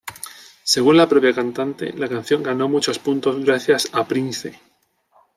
Según la propia cantante la canción ganó muchos puntos gracias a Prince.